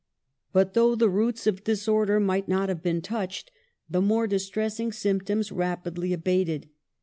But, though the roots of disorder might not have been touched, the more distressing symptoms rapidly abated.